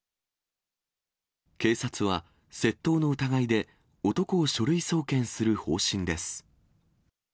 警察は窃盗の疑いで、男を書類送検する方針です。